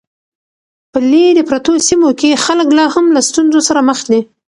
په لیرې پرتو سیمو کې خلک لا هم له ستونزو سره مخ دي.